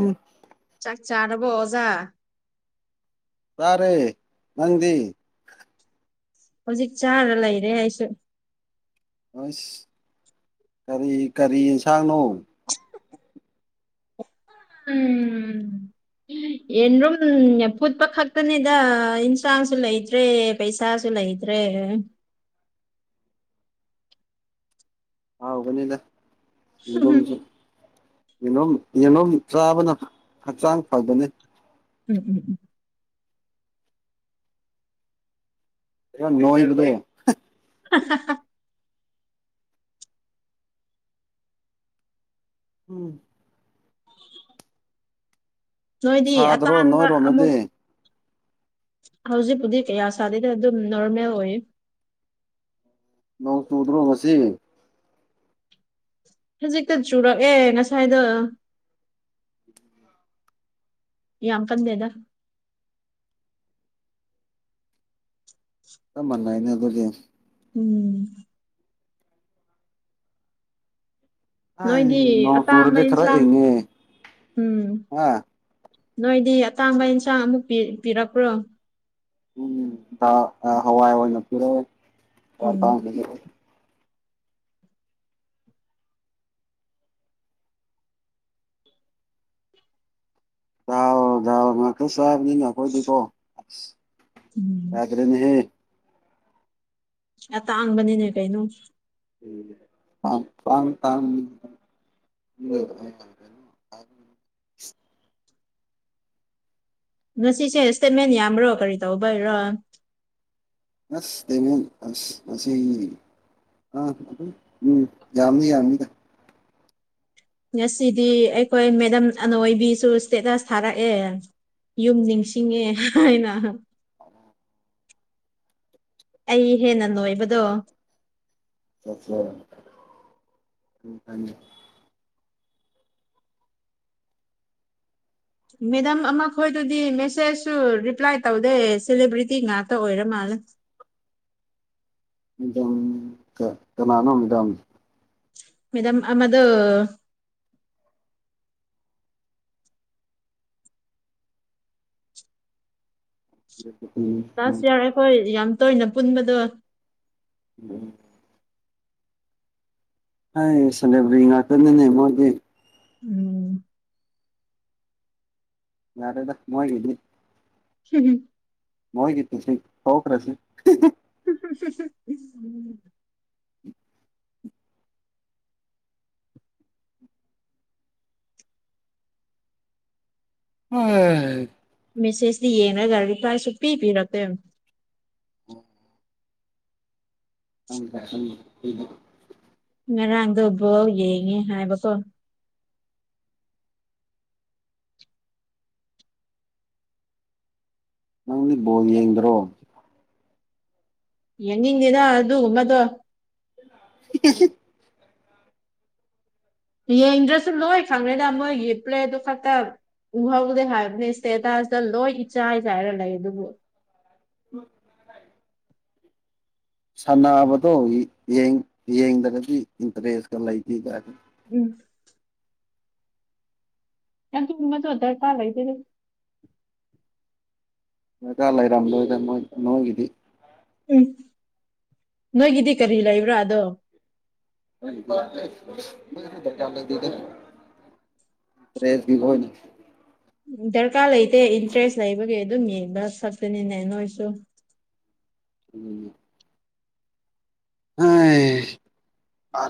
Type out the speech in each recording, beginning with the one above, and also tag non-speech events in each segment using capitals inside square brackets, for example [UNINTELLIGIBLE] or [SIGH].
ꯎꯝ ꯆꯥꯛ ꯆꯥꯔꯔꯕꯣ ꯑꯣꯖꯥ ꯇꯥꯔꯦ ꯅꯗꯤ ꯍꯧꯖꯤꯛ ꯆꯥꯔ ꯂꯩꯔꯦ ꯑꯩꯁꯨ ꯑꯁ ꯀꯔꯤ ꯀꯔꯤ ꯑꯦꯟꯁꯥꯡꯅꯣ ꯎꯝ ꯌꯦꯟ ꯔꯨꯝ ꯐꯨꯠꯄ ꯈꯛꯇꯅꯤꯗ ꯌꯦꯟꯁꯥꯡꯁꯨ ꯂꯩꯇ꯭ꯔꯦ ꯄꯩꯁꯥꯁꯨ ꯂꯩ ꯗ꯭ꯔꯦ [UNINTELLIGIBLE] ꯎꯝ ꯍꯥꯎꯒꯅꯤꯗꯝꯁꯤ ꯌꯦꯂꯣ ꯌꯦꯂꯣꯝ ꯆꯥꯕꯅ ꯍꯛꯆꯥꯡ ꯐꯕꯅꯤ ꯎꯝ ꯎꯝ ꯎꯝ ꯑꯣ ꯅꯣ ꯏꯔꯗ [UNINTELLIGIBLE] ꯎꯝ ꯅꯣꯏꯗꯤ ꯁꯥꯗ꯭ꯔꯣ ꯑꯇꯥꯡꯕ ꯑꯃꯨꯛ ꯅꯣꯏꯔꯣꯝꯅꯗꯤ ꯍꯧꯖꯤꯛꯄꯨꯗꯤ ꯀꯌꯥ ꯁꯥꯗꯦꯗ ꯑꯗꯨꯝ ꯅꯣꯔꯃꯦꯜ ꯑꯣꯏ ꯅ ꯆ ꯎꯗ꯭ꯔꯣ ꯉꯁꯤ ꯍꯧꯖꯤꯛꯇ ꯆꯨꯔꯛꯑꯦ ꯉꯁꯥꯏꯗ ꯌꯥꯝ ꯀꯟꯗꯦꯗ ꯆꯃꯅ ꯏꯅꯦ ꯑꯗꯨꯒꯤ ꯎꯝ ꯅꯣꯏꯒꯤ ꯑꯩ ꯅꯣꯡ ꯑꯇꯥꯕ ꯆꯨꯔꯗꯤ ꯈꯔ ꯑꯦꯟꯁꯥꯡ ꯏꯪꯉꯦ ꯎꯝ ꯍꯥ ꯅꯣꯏꯗꯤ ꯑꯇꯥꯡꯕ ꯑꯦꯟꯁꯥꯡ ꯑꯃꯨꯛ ꯄꯤꯔꯛꯄ꯭ꯔꯣ ꯎꯝ ꯍꯋꯥ ꯑꯋꯥ ꯅꯔ ꯎꯝ ꯀ ꯌꯥꯑꯣ ꯌꯥ ꯉꯁꯨꯕꯅꯤꯉ ꯀꯣꯏꯗꯤꯀꯣ ꯎꯝ ꯌꯥꯇꯦꯅꯤꯍꯦ ꯑ ꯇꯥꯡꯕꯅꯤꯅꯦ ꯀꯩꯩꯅꯣ ꯑꯄꯝ ꯇ ꯎ ꯉꯁꯤꯁꯦ ꯏꯁꯇꯦꯠꯃꯦꯟ ꯌꯥꯝ꯭ꯔꯣ ꯀꯔꯤ ꯇꯧꯕꯩꯔ ꯑꯁ ꯇꯃꯤ ꯑꯁ ꯑꯁꯤꯁ ꯑꯥ ꯑꯗꯨꯝ ꯎꯝ ꯌꯥꯝꯅꯤ ꯌꯥꯝꯅꯤꯗ ꯉꯁꯤꯗꯤ ꯑꯩꯈꯣꯏ ꯃꯦꯗꯝ ꯑꯅꯣꯏꯕꯤꯁꯨ ꯏꯁꯇꯦꯇꯁ ꯊꯥꯔꯛꯑꯦ ꯌꯨꯝ ꯅꯤꯡꯁꯤꯡꯉꯦ ꯍꯥꯏꯅ ꯎꯝ ꯑꯩ ꯍꯦꯟꯅ ꯅꯣꯏꯕꯗꯣ ꯆꯠ ꯏꯈ ꯃꯦꯗꯥꯝ ꯑꯃꯈꯣꯏꯗꯗꯤ ꯃꯦꯁꯦꯖꯁꯨ ꯔꯤꯄ꯭ꯂꯥꯏ ꯇꯧꯗꯩ ꯁꯦꯂꯦꯕ꯭ꯔꯤꯇꯤ ꯉꯥꯛꯇ ꯑꯣꯏꯔꯝꯃ ꯑ ꯃꯗꯥꯝ ꯀꯅꯥꯅꯣ ꯃꯗꯥꯝ ꯃꯦꯗꯥꯝ ꯑꯃꯗꯨ ꯂꯥꯁ ꯌꯥꯌꯥꯔ ꯑꯩꯈꯣꯏ ꯌꯥꯝ ꯇꯣꯏꯅ ꯄꯨꯟꯕꯗꯣ ꯎꯝ ꯍ ꯁꯂꯕ ꯉꯥꯛꯅꯤꯅꯦ ꯃꯦ ꯎꯝ ꯌꯥꯔꯦꯗ ꯅꯣꯏꯒꯗꯗꯤ ꯍꯨꯝ ꯍꯒꯤꯇ ꯁꯤ ꯍꯈ꯭ꯔꯥꯁꯤ ꯁ ꯑꯣ ꯃꯦꯁꯦꯁꯇꯤ ꯌꯦꯡꯉꯒ ꯔꯤꯄ꯭ꯂꯥꯏꯁꯨ ꯄꯤꯕꯤꯔꯛꯛꯇ ꯍꯪ ꯍ ꯉꯔꯥꯡꯗꯣꯕꯧ ꯌꯦꯡꯉꯦ ꯍꯥꯏꯕꯀꯣ ꯅꯪꯗꯤ ꯕꯣꯜ ꯌꯦꯡꯗ꯭ꯔꯣ ꯌꯦꯡꯅꯤꯡꯗꯤꯅ ꯑꯗꯨꯒꯨꯝꯕꯗꯣ ꯀꯁ ꯌꯦꯡꯗ꯭ꯔꯁꯨ ꯂꯣꯏ ꯐꯪꯉꯦꯗ ꯃꯣꯏꯒꯤ ꯄ꯭ꯂꯦꯠꯇꯨ ꯈꯛꯇ ꯎꯍꯧꯗꯦ ꯍꯥꯏꯕꯅꯤ ꯏꯁꯇꯦꯗꯥꯁꯇ ꯂꯣꯏ ꯏꯆꯥ ꯏ ꯆꯥꯏꯔ ꯂꯩ ꯑꯗꯨꯕꯨ ꯎꯝ ꯁꯥꯟꯅꯕꯗꯣ ꯌꯦꯡꯗ꯭ꯔꯒꯗꯤ ꯏꯟꯇꯔꯦꯁꯀ ꯂꯩꯇꯦꯗ ꯎꯝ ꯀ ꯇꯃꯗ ꯑꯣꯗꯔ ꯇꯥ ꯂꯩ ꯂꯩꯗꯔ ꯃꯒꯥ ꯂꯩꯔꯝꯗꯣꯏꯗꯣꯏ ꯅꯣꯏꯒꯤꯗꯤ ꯎꯝ ꯅꯣꯏꯒꯤꯗꯤ ꯀꯔꯤ ꯂꯩꯕ꯭ꯔꯥ ꯑꯗꯣ ꯗꯤ ꯔꯦꯁꯕꯤ ꯀꯅꯤ ꯗꯔꯀꯥꯔ ꯂꯩꯇꯦ ꯏꯟꯇꯔꯦꯁ ꯂꯩꯕꯒꯤ ꯑꯗꯨꯝ ꯌꯦꯡꯕ ꯁꯛꯇꯅꯤꯅꯦ ꯅꯣꯏꯁꯨ ꯎ ꯑ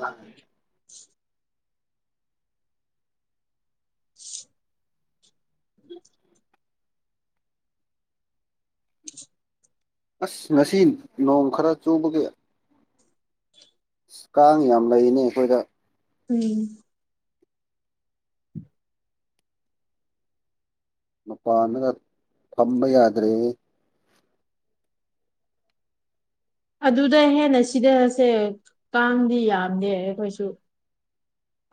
ꯑꯁ ꯉꯁꯤ ꯅꯣꯡ ꯈꯔ ꯆꯨꯕꯒꯤꯦ ꯀꯥꯡ ꯌꯥꯝ ꯂꯩꯔꯤꯅꯤ ꯑꯩꯈꯣꯏꯗ ꯎꯝ ꯃꯄꯥꯟꯒ ꯐꯝꯕ ꯌꯥꯗ꯭ꯔꯦ ꯑꯗꯨꯗ ꯍꯦꯟꯅ ꯁꯤꯗꯔꯁꯦ ꯀꯥꯡꯗꯤ ꯌꯥꯝꯗꯦ ꯑꯩꯈꯣꯏꯁꯨ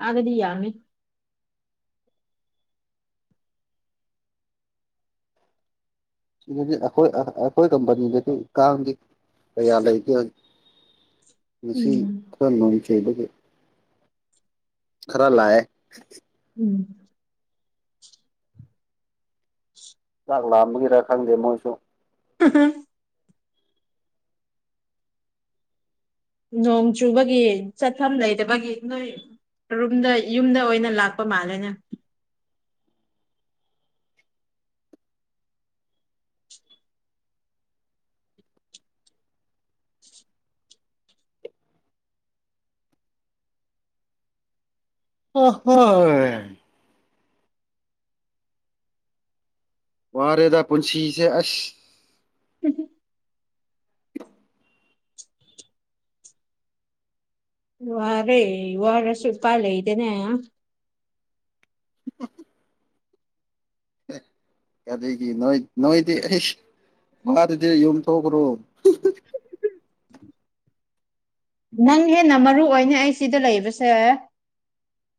ꯑꯗꯤ ꯌꯥꯃꯤ ꯁꯤꯗꯤ ꯑꯩꯈꯣꯏ ꯑꯩꯈꯣꯏ ꯀꯝꯄꯅꯤꯗꯗꯤ ꯀꯥꯡꯗꯤ ꯀꯌꯥ ꯂꯩꯒꯦ ꯉꯁꯤ ꯎꯝ ꯈꯔ ꯂꯅꯨꯡ ꯆꯩꯕꯒꯦ ꯈꯔꯂꯌꯦ ꯎꯝ ꯆꯥꯛ ꯂꯥꯛꯑꯝꯕꯒꯤꯔ ꯈꯪꯗꯦ ꯃꯣꯏꯁꯨ ꯎ ꯅꯣꯡ ꯆꯨꯕꯒꯤ ꯆꯠꯐꯝ ꯂꯩꯕꯒꯤ ꯅꯣꯏ ꯔꯨꯝꯗ ꯌꯨꯝꯗ ꯑꯣꯏꯅ ꯂꯥꯛꯄ ꯃꯥꯜꯂꯦꯅꯦ ꯑꯣ ꯍꯣ ꯋꯥꯔꯦꯗ ꯄꯨꯟꯁꯤꯁꯦ ꯑꯁ ꯎꯝꯝ ꯋꯥꯔꯦ ꯏ ꯋꯥꯔꯁꯨ ꯄ ꯂꯩꯦ ꯏꯗꯦꯅꯦ ꯑꯦ ꯀꯗꯒꯤ ꯅꯣꯏ ꯅꯣꯏꯗꯤ ꯑꯩ ꯃꯥꯗꯨꯗꯤ ꯌꯨꯝꯊꯣꯛꯈ꯭ꯔꯣ ꯅꯪ ꯍꯦꯟꯅ ꯃꯔꯨ ꯑꯣꯏꯅꯦ ꯑꯩ ꯁꯤꯗ ꯂꯩꯕꯁꯦ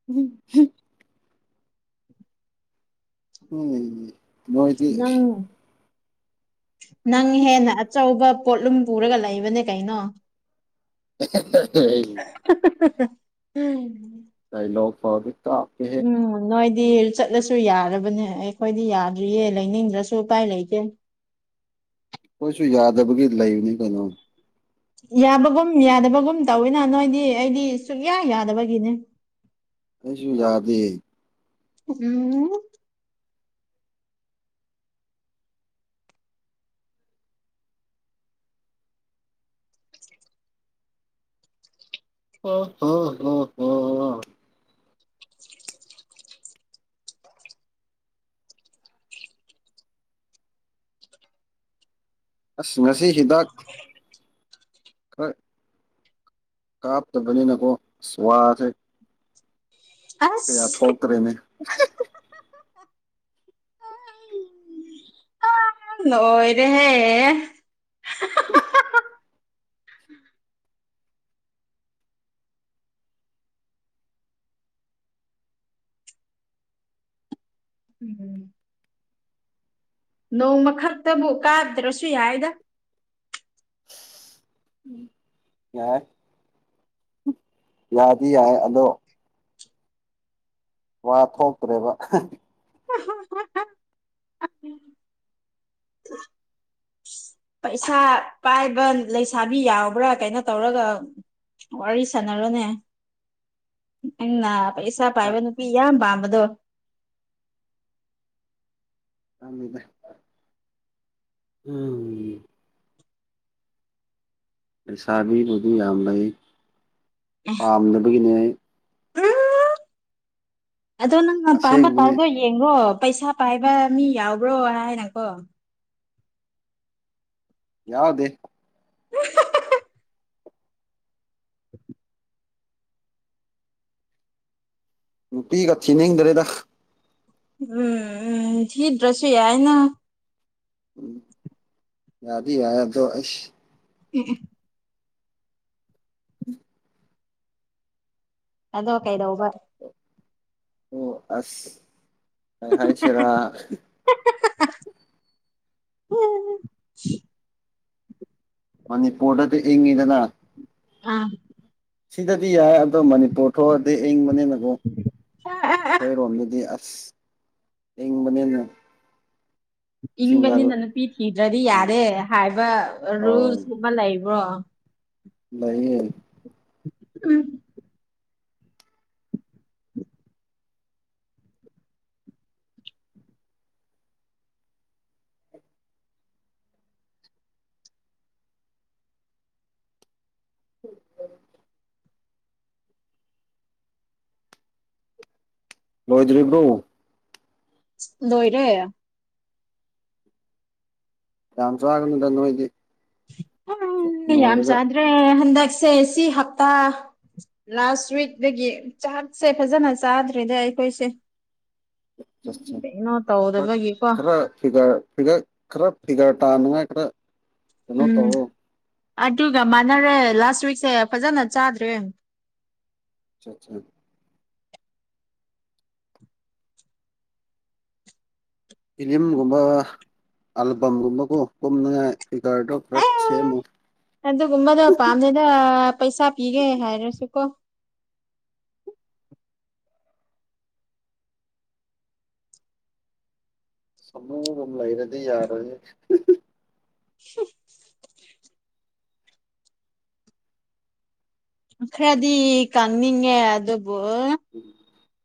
ꯎꯝ ꯎꯝ ꯅꯪ ꯃꯣꯏꯗꯤꯁꯤ ꯅꯪ ꯍꯦꯟꯅ ꯑꯆꯧꯕ ꯄꯣꯠꯂꯨꯝ ꯄꯨꯔꯒ ꯂꯩꯕꯅꯦ ꯀꯩꯅꯣ [INAUDIBLE] ꯎꯝ ꯀꯥꯏ ꯂ ꯐꯥꯎꯕ ꯎꯝꯣꯏ ꯗꯤ ꯆꯠꯂꯁꯨ ꯌꯥꯔꯕꯅꯦ ꯑꯩꯈꯣꯏꯗꯤ ꯌꯥꯗ꯭ꯔꯤꯌꯦ ꯂꯩꯅꯤꯡꯗ꯭ꯔꯁꯨ ꯎꯄꯥꯏ ꯂꯩꯇꯦ ꯀꯣꯏꯁꯨ ꯌꯥꯗꯕꯒꯤ ꯂꯩꯕꯅꯤ ꯀꯩꯅꯣ ꯌꯥꯕꯒꯨꯝ ꯌꯥꯗꯕꯒꯨꯝ ꯇꯧꯋꯤꯅ ꯅꯣꯏꯗꯤ ꯑꯩꯗꯤ ꯁꯨꯛꯌꯥ ꯌꯥꯗꯕꯒꯤꯅꯦ ꯑꯩꯁꯨ ꯌꯥꯗꯦ ꯎꯝ ꯑ ꯍ ꯍ ꯍ ꯑꯁ ꯉꯁꯤ ꯍꯤꯗꯥꯛ ꯈꯣꯏ ꯀꯥꯞꯇ ꯅꯤ ꯅꯀꯣ ꯁ꯭ꯋꯥꯁ ꯀ ꯑꯁ ꯌꯥ ꯊꯣꯛꯇꯔꯦꯅꯦ ꯅꯣꯏꯔꯦꯍꯦ ꯎꯝ ꯅꯣꯡꯃ ꯈꯛꯇꯕꯨꯛ ꯀꯥꯗ꯭ꯔꯁꯨ ꯌꯥꯏꯗ ꯎ ꯌꯥꯏ ꯌꯥꯗꯤ ꯌꯥꯏ ꯑꯗꯣ ꯋꯥ ꯊꯣꯛꯇ꯭ꯔꯦꯕ ꯍ ꯄꯩꯁꯥ ꯄꯥꯏꯕ ꯂꯩꯁꯥꯕꯤ ꯌꯥꯎꯕ꯭ꯔꯥ ꯀꯩꯅꯣ ꯇꯧꯔꯒ ꯋꯥꯔꯤ ꯁꯥꯟꯅꯔꯣꯅꯦ ꯅꯪꯩꯅ ꯏꯁꯁꯥ ꯄꯥꯏꯕ ꯅꯨꯄꯤ ꯌꯥꯝ ꯄꯥꯝꯕꯗꯣ ꯑꯗ ꯎꯝ ꯂꯩꯁꯥꯕꯤꯕꯨꯗꯨ ꯌꯥꯝ ꯂꯩ ꯄꯥꯝꯗꯅꯕꯒꯤꯅꯦ ꯑꯗꯣ ꯅꯪꯅꯄꯥꯥꯝꯕ ꯑꯁꯦꯡꯕꯅꯤ ꯇꯥꯏꯗꯣ ꯌꯦꯡꯉꯣ ꯄꯩꯁꯥ ꯄꯥꯏꯕ ꯃꯤ ꯌꯥꯎꯕ꯭ꯔꯣ ꯍꯥꯏꯅꯀꯣ ꯌꯥꯎꯗꯦ [UNINTELLIGIBLE] ꯅꯨꯄꯤꯒ ꯊꯤ ꯅꯤꯡꯗꯔꯦꯗ ꯎꯝ ꯎꯝ ꯊꯤꯗ꯭ꯔꯁꯨ ꯌꯥꯏꯅ ꯌꯥꯔꯤ ꯌꯥꯗꯣ ꯑꯁ ꯎꯝ ꯑꯗꯣ ꯀꯩꯗꯎꯕꯔꯦ ꯑꯣ ꯑꯁ ꯍꯥꯏꯥꯏꯆꯦꯔꯥ ꯎꯝ ꯃꯅꯤꯄꯨꯔꯗꯗꯤ ꯏꯡꯉꯤꯗꯅ ꯑꯥ ꯁꯤꯗꯗꯤ ꯌꯥꯏ ꯑꯣ ꯃꯅꯤꯄꯨꯔ ꯊꯣꯛꯑꯗꯤ ꯏꯪꯕꯅꯤ ꯑꯗꯨ ꯑꯩꯈꯣꯏꯔꯣꯝꯗꯗꯤ ꯑꯁ ꯏꯪꯕꯅꯤꯅ ꯁꯤꯡꯒꯜ ꯏꯪꯕꯅꯤꯅ ꯅꯨꯄꯤ ꯊꯤꯗ꯭ꯔꯗꯤ ꯎꯝ ꯌꯥꯔꯦ ꯍꯥꯏꯕ ꯔꯨꯜꯁꯨꯝ ꯑꯃ ꯂꯩꯕ ꯋꯥ ꯅꯌꯦ ꯎꯝ ꯎꯝ ꯂꯣꯏꯗꯔꯤ꯭ꯔꯎ ꯂꯣꯏꯔꯦ ꯆꯁ ꯍꯥꯏꯒꯅ ꯇ ꯅꯣꯣꯏꯗꯤ ꯑ ꯌꯥꯝ ꯆꯗ꯭ꯔꯦ ꯍ ꯆꯥꯛꯁꯦ ꯁꯤ ꯍꯞꯇꯥ ꯂꯥꯁ ꯋꯤꯛꯇꯒꯤ ꯆꯥꯛꯁꯦ ꯐꯖꯅ ꯆꯥꯗ꯭ꯔꯦꯗ ꯑꯩ ꯀꯁ ꯈꯔ ꯈꯔ ꯄꯤꯒ ꯄꯤꯒ ꯈꯔ ꯐꯤꯒꯔ ꯇꯥꯅꯉꯥꯏ ꯈꯔ ꯀꯩꯅꯣ ꯎꯝ ꯇꯧꯔꯣ ꯑꯗꯨꯒ ꯃꯥꯟꯅꯔꯦ ꯂꯥꯁ ꯋꯤꯛꯁꯦ ꯐꯖꯅ ꯆꯥꯗ꯭ꯔꯦ ꯑꯆꯥ ꯑꯆꯥ ꯐꯤꯂꯤꯝꯒꯨꯝꯕ ꯑꯜꯕꯝꯒꯨꯝꯕ ꯀꯣ ꯀꯉꯥꯏ ꯑ ꯅꯗꯨ ꯀꯃꯗ ꯄꯝꯅꯗ ꯄꯩꯁꯥ ꯄꯤꯒꯦ ꯍꯥꯏꯔꯦꯁꯨꯀꯣ ꯁꯃꯨꯒꯝ ꯂꯩꯔꯗꯤ ꯌꯥꯔꯅꯤ ꯍꯤ ꯈꯔꯗꯤ ꯀꯪꯅꯤꯡꯉꯦ ꯑꯗꯨꯕꯨ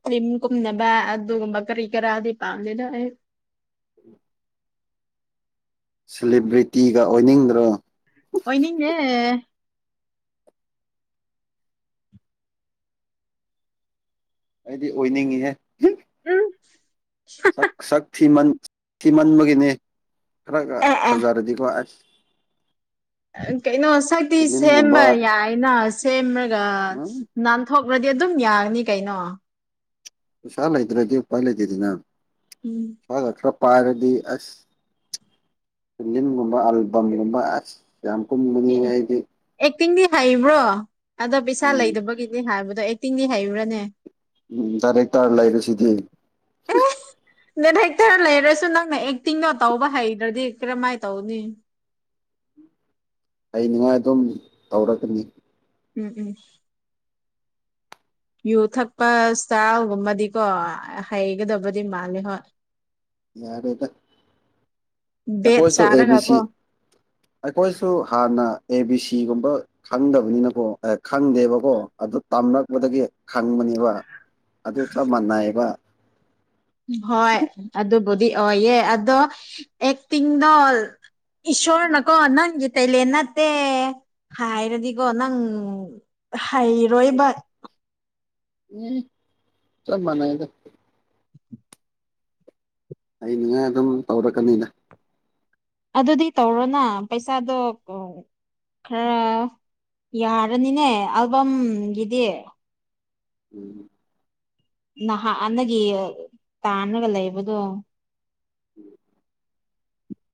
ꯀ꯭ꯔꯤꯝ ꯀꯨꯝꯅꯕ ꯑꯗꯨꯒꯨꯝꯕ ꯀꯔꯤ ꯀꯔꯥꯗꯤ ꯄꯥꯝꯗꯦꯗꯥ ꯑꯩ ꯎꯝ ꯁꯦꯂꯤꯕ꯭ꯔꯤꯇꯤꯒ ꯑꯣꯏꯅꯤꯡꯗ꯭ꯔꯣ ꯑꯣꯏꯅꯤꯡꯗꯦ ꯑꯩꯗꯤ ꯑꯣꯏꯅꯤꯡꯉꯤꯍꯦ ꯎꯝ ꯁꯛ ꯁꯛ ꯊꯤꯃꯟ ꯊꯤꯃꯟꯕꯒꯤꯅꯤ ꯈꯔꯒ ꯑꯦ ꯑꯦ ꯐꯖꯔꯗꯤꯀꯣ ꯑꯁ ꯀꯩꯅꯣ ꯁꯛꯇꯤ ꯁꯦꯝꯕ ꯐꯤꯂꯤꯝꯒꯨꯝꯕ ꯌꯥꯏꯅ ꯁꯦꯝꯃꯔꯒ ꯎꯝ ꯅꯥꯟꯊꯣꯛ ꯕꯗꯤ ꯑꯗꯨꯝ ꯌꯥꯒꯅꯤ ꯀꯩꯅꯣ ꯄꯩꯁꯥ ꯂꯩꯗ꯭ꯔꯗꯤ ꯎꯄꯥꯏ ꯂꯩꯗꯦꯗꯅ ꯎꯝ ꯃꯒꯥ ꯈꯔꯞ ꯄꯥꯏꯔꯗꯤ ꯑꯁ ꯅꯤꯟꯒꯨꯝꯕ ꯑꯜꯕꯝꯒꯨꯝꯕ ꯑꯁ ꯌꯥꯝ ꯀꯨꯝꯒꯅꯤꯅꯦ ꯑꯩꯗꯤ ꯇꯤꯡꯗꯤ ꯍꯩꯕ꯭ꯔꯣ ꯑꯗꯣ ꯄꯩꯁꯥ ꯎꯝ ꯂꯩꯗꯕꯒꯤꯗꯤ ꯍꯥꯏꯕꯗꯣ ꯑꯦꯇꯤꯡꯗꯤ ꯍꯩꯕ꯭ꯔꯥꯅꯦ ꯎꯝ ꯗꯥꯏꯔꯦꯛꯇꯔ ꯂꯩꯕꯁꯤꯗꯤ ꯅꯠ ꯍꯦꯛꯇꯔ ꯂꯩꯔꯁꯨ ꯅꯪꯅ ꯑꯦꯛꯇꯤꯡꯗꯣ ꯇꯧꯕ ꯍꯩꯗ꯭ꯔꯗꯤ ꯀꯔꯃꯥꯏ ꯇꯧꯅꯤ ꯎꯝ ꯂꯩꯅꯤꯡꯉꯥꯏ ꯑꯗꯨꯝ ꯇꯧꯔꯛꯒꯅꯤ ꯎꯝ ꯎꯝ ꯌꯨ ꯊꯛꯄ ꯏꯁꯇꯌꯥꯜꯒꯨꯝꯕꯗꯤꯀꯣ ꯍꯩꯒꯗꯕꯗꯤ ꯃꯥꯂꯦ ꯍꯣꯏ ꯌꯥꯔꯦꯗ ꯕꯦꯠ ꯑꯈꯣꯏꯁꯨ ꯑꯦ ꯕꯤ ꯆꯥꯔꯒ ꯁꯤ ꯀꯣ ꯑꯩꯈꯣꯏꯁꯨ ꯍꯥꯟꯅ ꯑꯦ ꯕꯤ ꯁꯤ ꯏꯒꯨꯝꯕ ꯈꯪꯗꯕꯅꯤꯅꯀꯣ ꯑꯦ ꯈꯪꯗꯦꯕꯀꯣ ꯑꯗꯨ ꯇꯝꯔꯛꯄꯗꯒꯤ ꯈꯪꯕꯅꯦꯕ ꯑꯗꯨ ꯆꯞ ꯃꯅꯥꯌꯦꯕ ꯍꯣꯏ ꯑꯗꯨꯕꯨꯗꯤ ꯑꯣꯏꯌꯦ ꯑꯗꯣ ꯑꯦꯛꯇꯤꯡꯗꯣ ꯏꯁꯁꯣꯔ ꯅꯀꯣ ꯅꯪꯒꯤ ꯀꯩꯂꯦꯟ ꯅꯠꯇꯦ ꯍꯥꯏꯔꯗꯤꯒꯣ ꯅꯪ ꯍꯩꯔꯣꯏꯕ ꯅꯤ ꯆꯝ ꯃꯅꯥꯏꯗ ꯑꯩꯅꯤꯉꯥꯏ ꯑꯗꯨꯝ ꯇꯧꯔꯛꯀꯅꯤꯗ ꯑꯗꯨꯗꯤ ꯇꯧꯔꯣꯅ ꯄꯩꯁꯥꯗꯣ ꯀꯥꯎ ꯈꯔ ꯌꯥꯔꯅꯤꯅꯦ ꯑꯜꯕꯝꯒꯤꯗꯤ ꯎꯝ ꯅꯍꯥ ꯑꯥꯟꯅꯒꯤ ꯇꯥꯅꯒ ꯂꯩꯕꯗꯣ ꯎꯝ